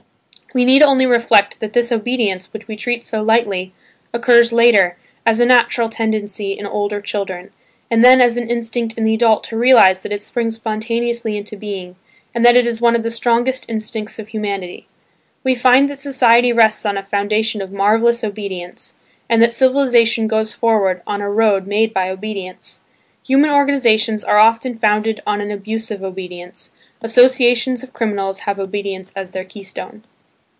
We need only reflect that this "obedience" which we treat so lightly, occurs later, as a natural tendency in older children, and then as an instinct in the adult to realise that it springs spontaneously into being, and that it is one of the strongest instincts of humanity. We find that society rests on a foundation of marvellous obedience, and that civilisation goes forward on a road made by obedience. Human organisations are often founded on an abuse of obedience, associations of criminals have obedience as their key stone.